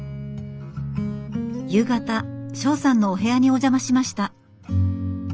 夕方庄さんのお部屋にお邪魔しました。